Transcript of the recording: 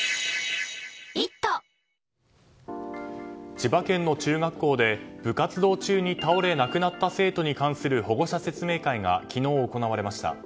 千葉県の中学校で部活動中に倒れ亡くなった生徒に関する保護者説明会が昨日、行われました。